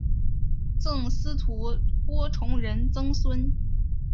赠司徒郭崇仁曾孙。